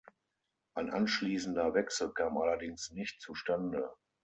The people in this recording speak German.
Ein anschließender Wechsel kam allerdings nicht zustande.